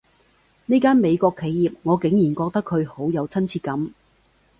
呢間美國企業，我竟然覺得佢好有親切感